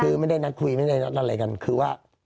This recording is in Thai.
คือไม่ได้นัดคุยไม่ได้นัดอะไรกันคือว่า